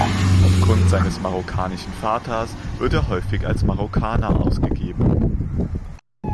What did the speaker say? Aufgrund seines marokkanischen Vaters wird er häufig als Marokkaner ausgegeben.